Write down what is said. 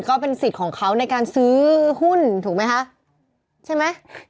ก็เป็นสิทธิ์ของเขาในการซื้อหุ้นถูกไหมคะใช่ไหม